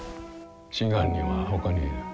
真犯人はほかにいる。